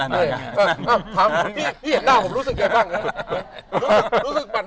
นึกกันอ่ะนึกกัน